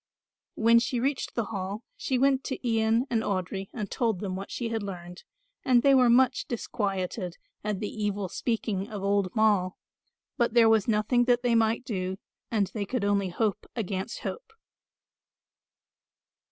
When she reached the Hall she went to Ian and Audry and told them what she had learned, and they were much disquieted at the evil speaking of old Moll; but there was nothing that they might do and they could only hope against hope.